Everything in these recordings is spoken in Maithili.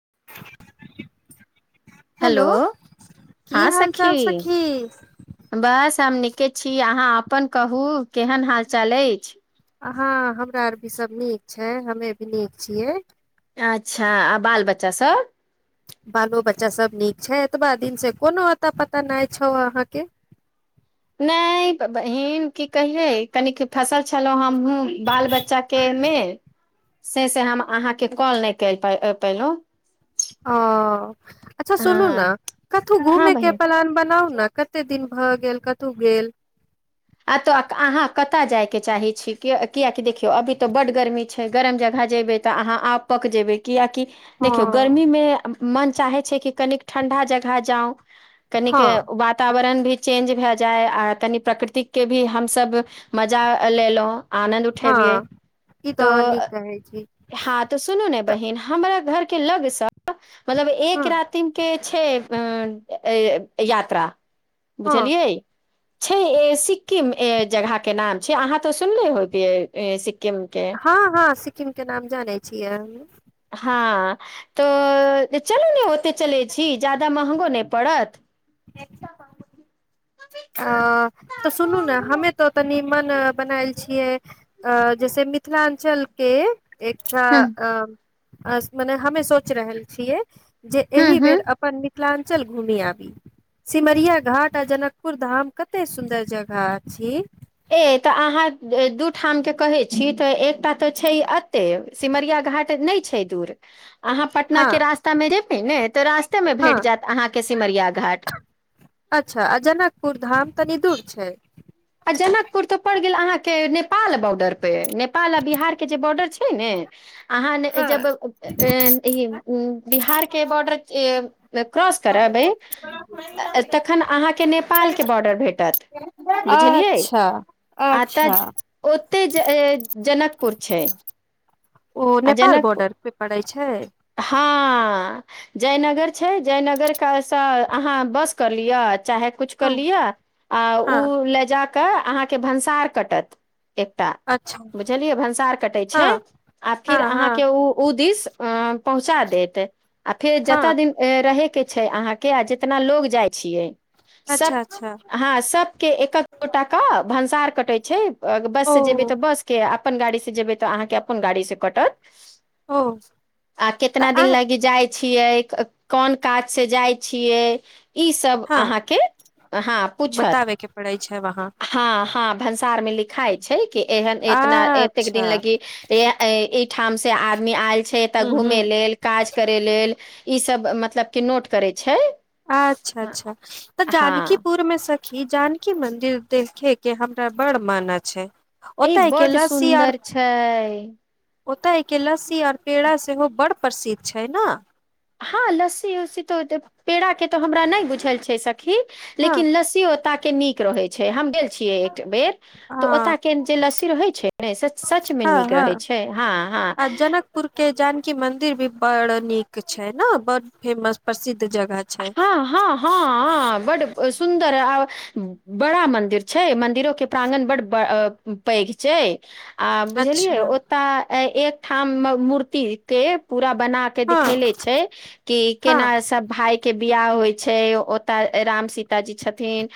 [unintelligible] हल्लो की हां हाल चाल सखी बस हम नीके छी अहाँ अपन कहू केहन हाल चाल अछि हँ हमरा आर भी सब नीक छै हमे भी नीक छियै अच्छा आ बाल बच्चा सब बालो बच्चा सब नीक छै एतबा दिनसँ कोनो अता पता नहि छौ अहाँके नै बहिन की कहियै कनिक फसल छलहुँ हमहूं बाल बच्चाके ने से से हम अहाँके कॉल नै कय प पैलहुं ओ अच्छा सुनू न हँ कथू हँ घूमे के बहिन प्लान बनाउ न कतेक दिन भऽ गेल कतहु गेल आ तऽ अहाँ कतऽ जायके चाहै छी कियाकि देखियौ अभी तऽ बड गर्मी छै गरम जगह जेबे तऽ अहाँ आब पक जेबे कियाकि देखियौ गर्मी हँ मे मन चाहे छै कि कनिक ठंडा जगह जांउ कनिक हँ वातावरण भी चेंज भए जाय आ कनि प्रकृतिक के भी हमसब मजा लेलौं आनन्द उठबीअइ हँ ई तऽ तो अहाँ नीक कहै छी हँ तऽ सुनू ने तऽ बहिन हमरा घर के लग सब मतलब एक हँ रातिम के छै यात्रा हँ बुझलियै छै सिक्किम ए जगह के नाम छै अहाँ तऽ सुनले होयबीअ सिक हां हां सिक्किम के नाम जानैय छियै हम हां तऽ चलू ने ओते चलै छी ज्यादा महंगों नै पड़त [unintelligible] अ मन बनायल छियै अ जैसे मिथिलाञ्चल के एकस्ट्रा हूँ अ मने हमे सोच रहल छियै जे हूँ एहि हूँ बेर अपन मिथिलाञ्चल घूमी आबी सिमरिया घाट आ जनक पुर धाम कते सुन्दर जगह अछि ए तऽ अहाँ दू ठामके कहै छी तऽ एकटा तऽ छै एते सिमरिया घाट नहि छै दूर अहाँ पटना हँ के रास्ता में जेबै ने तऽ रास ते में हँ भेट जायत अहाँ के सिमरिया घाट अच्छा आ जनकपुर धाम तनी दूर छै आ जनकपुर तो पड़ गेल अहाँ के नेपाल बॉर्डर पे नेपाल आ बिहार के जे बॉर्डर छै नहि ने अहाँ ने हँ जब ई इ बिहार के बॉर्डर ए क्रॉस करब बै तखन अहाँके नेपाल के बॉर्डर भेटत बुझलियै अच्छा आ तऽ अच्छा ओते ज ए जनकपुर छै ओ आ नेपाल जनकपुर बॉर्डर पे पड़ै छै हँ जयनगर छै जयनगर क सँ अहाँ बस करऽ लियअ चाहे कुछ कऽ हँ लिय आ हँ उ लै जाक अहाँके भन्सार कटत एकटा अच्छा बुझलियै भन्सार कटै छै हँ आ हँ फिर हँ अहाँके उ उ दिस पहुचा देत आ फेर हँ जता दिन रहे के छै अहा के जेतना लोग जाय छियै सब अच्छा अच्छा हँ सबके एक एक गोटा क भन्सार कटै छै बस ओ से जेबै तऽ बस के अपन गाड़ी से जेबै तऽ अहाँ के अपन गाड़ी से कटत ओ आ तऽ कितना दिन आ लागी जाइ छियै कोन काज सँ जाइ छियै ई सब हँ अहाँ के हँ पूछत बताबे के पड़ै छै वहाँ हँ हँ भन्सार में लिखाय छै कि एहन एतना एतेक दिन अच्छा लगी इये इ ठाम से आदमी आयल छै तऽ हूँ हूँ घूमे लेल काज करे लेल इ सब मतलब कि नोट करै छै अच्छा अच्छा तऽ हँ जानकीपुर में ही जानकी मंदिर देखे के हमरा बड़ मन छै ई बड सुन्दर छै ओतय के लस्सी आओर पेड़ा सेहो बड़ प्रसिद्ध छै न हँ लस्सी उसी तऽ पेड़ा के तऽ हमरा नहि बुझल छै स खि हँ लेकिन लसी ओत के निक रहय छै हम गेल छियै एक बेर तऽ ओता हँ के जे लस्सी रहै छै ने से सच मे नीक रहै छै हँ हँ पुर के जानकी मन्दिर भी ब नीक छै ने बड फेमस प्रसिद्ध जगह छै हँ हँ हँ बड्ड ब सुन्दर आ बड़ा मंदिर छै मंदिरो के प्रांगण बड्ड पैघ छै आ बुझलियए अच्छा ओता एकठाम मूर्ति के पूरा बना के हँ दिखेले छै कि केना हँ सब भाई के बियाह होइ छै ओतऽ राम सीता जी छथिन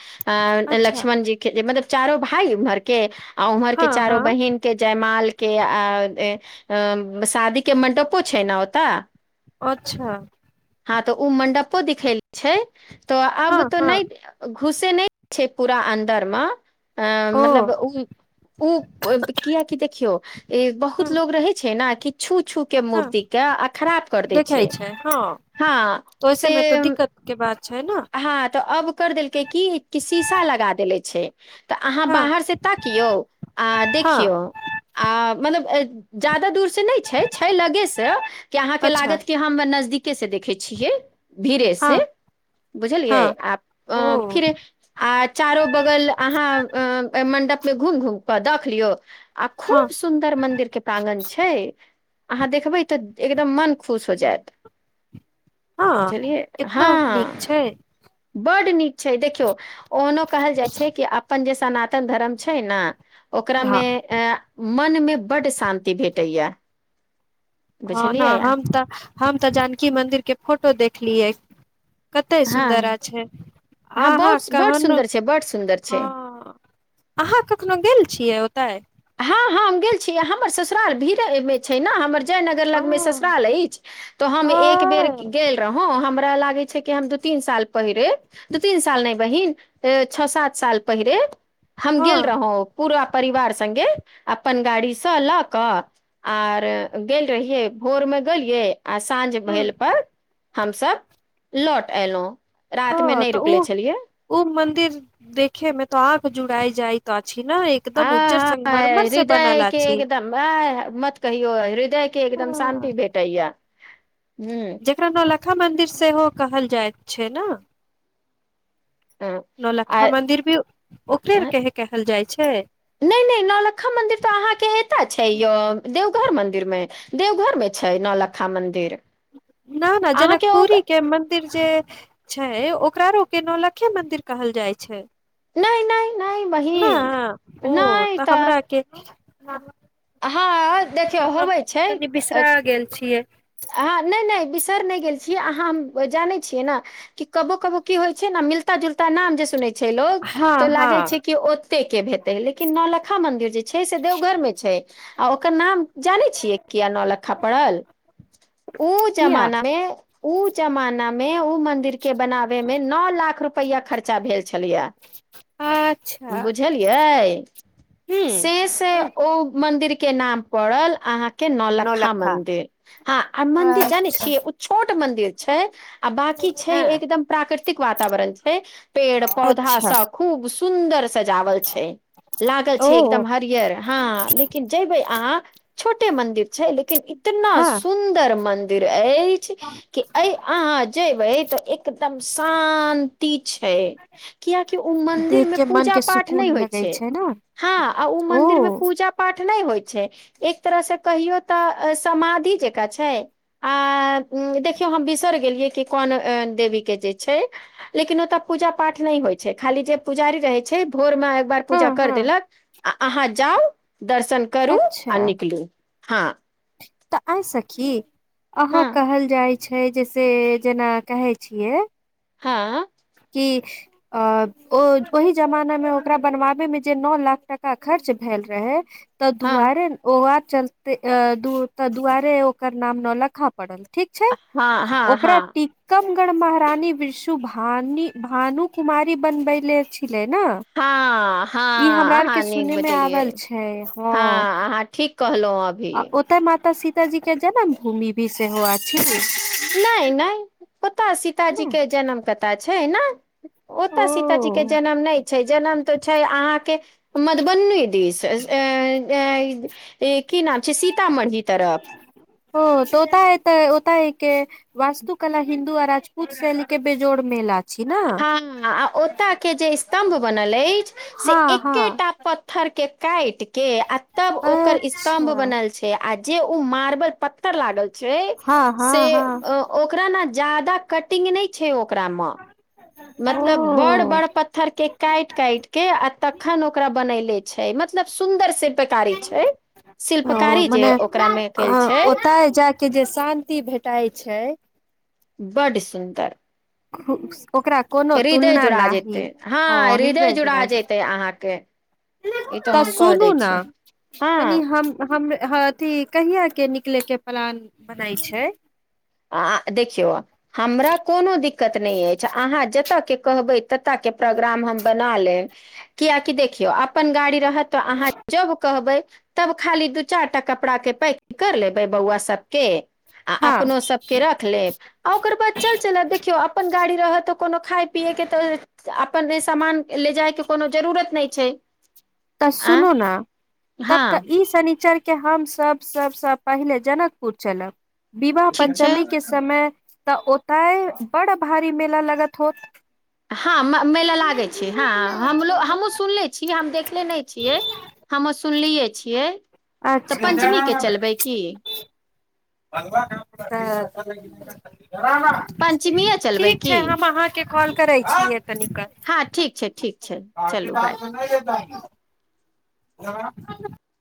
अ अच्छा लक्ष्मण जी के मतलब चारो भाय उम्हर के आ उम्हर के हँ चारो हँ बहिन के जयमाल के आ ए अं शादी के मंडपो छै ने ओता अच्छा हँ तो उ मंडपो दिखल छै तो हँ आब तो हँ नहि घुसे नहि छै पूरा अन्दर में अ ओ मतलब उ उ कियकि देखियौ इ हँ बहुत लोग रहे छै ने कि छू छू के हँ मूर्ति के आ खराब कर दै छै हँ वैसे से में तो दिक्कत के बात छै ने हँ तऽ अब कर देलकै की की शीशा लगा देेले छै तऽ अहाँ हँ बाहर से ताकियौ आ हँ देखियौ आ मतलब ज्यादा दूर से नहि छै लगे से कि अहाँके अच्छा लागत कि हम नजदीक के से देखै छियै भीरे हँ से बुझलियै हँ ओ आ फिर आ चारो बगल अहाँ मंडप मे घुम घुम क देख लियौ आ हँ खूब सुन्दर मंदिर के प्रांगन छै अहाँ देखबै तऽ एकदम मन खुश हो जायत हँ चलिए हँ कितना नीक छै बड्ड नीक छै देखियौ ओहनो कहल जाइ छै कि अपन जे सनातन धर्म छै ने हाँ ओकरामे अ मन मे बड्ड शान्ति भेटैया ह ने बुझलियै हम तऽ हम तऽ जानकी मंदिर के फोटो देखलियै कते सुन्दर हँ छै हँ अहाँ बहुत बड कहनो सुन्दर छै बड सुन्दर छै हँ अहाँ कखनो गेल छियै ओतय हँ हँ हम गेल छी हमर ससुराल भीड़मे छै ने हमर जयनगर ओ लगमे ससुराल अछि तऽ हम एक बेर ओ गेल रहौं हम लागै छै कि हम दू तीन साल पहिरे दू तीन साल नहि बहिन छओ सात साल पहिरे हम गेल हँ रहौ पूरा परिवार से संगे अपन गाड़ी से लऽ कऽ आर गेल रहिये भोर मे गेलियै आ साँझ ह भेल पर हमसभ लौट एलौं हँ तऽ उ उ मंदिर देखे मे तो आंखि जुड़ा जायत छी न आ एकदम उज्जर ह संगमरमर से हृदय बनल के अछि एकदम आ मत कहियो हृदय के एकदम शान्ति भेटैयै जकरा नौल्खा मन्दिर सेहो कहल जाइत छै ने आ नौलकखा मंन्दिर भी ओकरे आ, कहे कहल जाइ छै नहि नहि नौलक्खा मंदिर घर मंदिर में देवघर में छै नौलखा मंदिर न न अहाँके ओ जनकपुरी के मन्दिर जे छै ओकरा रोक के नौलखे मंदिर कहल जाइ छै नहि नहि नहि न बहिन ओ तऽ हमरा के हँ देखियौ हम होबै छै तनि बिसरा गेल छियै ह नहि नहि बिसर नहि गेल छियै अहाँ हम जानै छियै ने कि कबो कबो की होइ छै ने मिलता जुलता नाम जे सुनै छै लोग हँ तो लागे छै हँ कि ओते के भेे लेकिन नौलक्खा मंन्दिर जे छै से देवघर मे छै आ ओकर नाम जानै छियै किया नौलक्खा पड़ल ओ किया जमाना मे ओ जमानामे ओ मन्दिर के बनाबैमे नओ लाख रुपैआ खर्चा भेल छलै अच्छा बुझलियै हूँ से से हूँ ओ मन्दिरके के नाम पड़ल अहाँ के नौलक्खा नौलखा मंदिर हँ आ मन्दिर जानै अच्छा छियै ओ छोट मंदिर छै आ बाँकी छै हँ एकदम प्रा प्राकृतिक वातावरण छै पेड़ पौधा अच्छा सँ खूब सुन्दर सजावल छै लागल छै ओ एकदम हरियर हँ लेकिन जेयबै अहाँ छोट मंन्दिर छै लेकिन इतना हँ सुन्दर मन्दिर कि अहाँ जेबे तऽ एकदम शान छै कियकि ओ मंन्दिर देख मे के मन पूजा के पाठ नहि सुकून होइ लगै छै ने हँ आ ओ मंन्दिर मे पूजा पाठ नहि होइ छै एक तरहसँ कहियौ तऽ समाधि जेका छै आ देखियौ हम बिसर गेलियै कि कोन देवी के जे छै लेकिन ओतऽ पूजा पाठ नहि होइ छै खाली जे पुजारी रहै छै भोरमे एकबार हँ पूजा कर हँ देलक आ अहाँ जाउ दर्शन करू आ अच्छा निकलू हँ तऽ आइ सखी अहाँ हँ कहल जाय छै जैसे जेना कहै छियै हँ ओहि जमाना मे ओकरा बनवाबे मे जे नओ लाख टका खर्च भेल रहै ता हँ दुआरे ओ चलते ता दुआरे ओकर नाम नौलक्खा पड़ल ठीक छै हँ हँ ओकरा हँ टिपगमघड महारानी विषु भानी भानु कुमारी बनबैले छलै ने हँ ई हमरा हँ आरके अहाँ नीक सुनयमे बजलियै आबल छै हँ अहाँ ठीक कहलहुँ आ अभी ओतय माता सीताजी के जन्म भूमि भी सेहो अछि नहि नहि ओता सीताजी ने के जनम कता छै ने ओतऽ सीताजी के ओ जनम नहि छै जनम तऽ छै अहाँके मधुबनी दिश ऐं की नाम छै सी तामढी तरफ ओ तऽ ओता ह तऽ ओता ह के वास्तुकला हिन्दू आ राजपूत शैलिके बेजोड़ मेला हँ आ ओतऽ के जे स्तम्भ बनल अछि से हँ हँ एकेटा पत्थर के काइट के आ तब ओकर स्तम्भ अच्छा बनल छै आ जे उ मार्बल पत्तर लागल छै हँ हँ से हँ ओकरा न जादा कटिंग नहि छै ओकरा मे ओ मतलब बड़ बड़ पत्थर के काटि काटि के आ तखन ओकरा बनैले छै मतलब सुन्दर शिल्पकारी छै ओ शिल्पकारी जे मने ओकरा मे कयल छै ओतय जा कऽ जे शान्ति भेटाइ छै बड्ड सुन्दर ओकरा कोनो हृदय तुलना जुड़ा नाही जेतै हँ हृदय जुड़ा जेतै अहाँके ई तो तऽ हम कह सुनू दै ने छी तनि हँ हम हम ह अथी कहिय के निकले के प्लान बनाय छै आ देखियौ हमरा कोनो दिक्कत नहि अछि अहाँ जतयके कहबइ तत्ताके प्रोग्राम हम बना लेब कियाकी देखियोअपन गारि रहत तऽ अहाँ जब कहबै तब खाली दू चार टा कपड़ा के पैक कर लेबै बौआ सबके आ हँ अपनो सब के रख लेब आ ओकर बाद चल चल देखियौ अपन गाड़ी रहत कोनो खाय पियए के तऽ अपन सामान ले जाय के कोनो जरूरत नहि छै तऽ आ सुनू ने तब हँ तऽ ई शनिचरके के हम सभ सबसँ पहिले जनकपुर चलब विवाह ठीक छै पञ्चमी के समय तऽ ओतय बड़ भारी मेला लगत होत हँ मेला लागैत छै हँ हमो हमहूँ सुनले छी हम देखले नहि छियै हमहु सुनलियै छियै तऽ पञ्चमीक के अच्छा चलबै की अल पञ्चमीए [unintelligible] चलबै ठीक की छै हम अहाँके कॉल करै छियै हँ ठीक छै ठीक छै चलू बाय [unintelligible] हँ